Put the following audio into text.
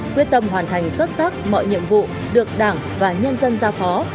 quyết tâm hoàn thành xuất sắc mọi nhiệm vụ được đảng và nhân dân giao phó